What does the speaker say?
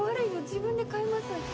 自分で買いますって。